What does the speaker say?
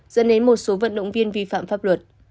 dẫn đến một số vận động viên vi phạm pháp luật